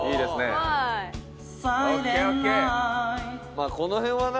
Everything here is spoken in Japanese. まあこの辺はな。